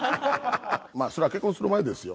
それは結婚する前ですよ。